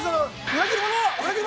裏切り者！